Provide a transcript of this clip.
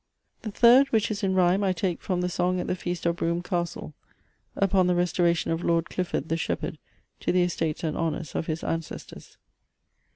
The third, which is in rhyme, I take from the SONG AT THE FEAST OF BROUGHAM CASTLE, upon the restoration of Lord Clifford, the Shepherd, to the Estates and Honours of his Ancestors.